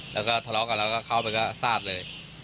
แล้วก็ทะเลาะกันแล้วก็เข้าไปก็ซาดเลย